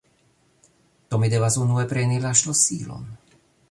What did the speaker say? do mi devas unue preni la ŝlosilon